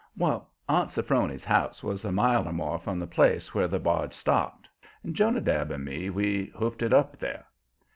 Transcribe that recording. Well, Aunt Sophrony's house was a mile or more from the place where the barge stopped, and Jonadab and me, we hoofed it up there.